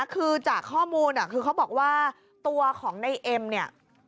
คือจากข้อมูลคือเขาบอกว่าตัวของในเอ็มเนี่ย